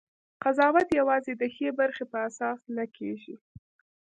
قضاوت یوازې د ښې برخې په اساس نه کېږي.